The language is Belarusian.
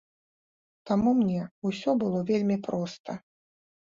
Таму мне ўсё было вельмі проста.